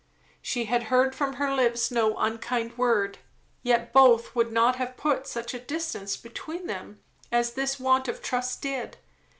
she had heard from her lips no unkind word; yet both would not have put such a distance between them as this want of trust did.